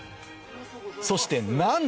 そしてなんと！